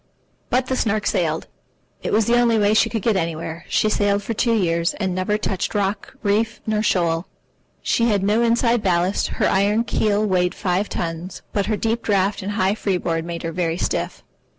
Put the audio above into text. But the Snark sailed. It was the only way she could get anywhere. She sailed for two years, and never touched rock, reef, nor shoal. She had no inside ballast, her iron keel weighed five tons, but her deep draught and high freeboard made her very stiff.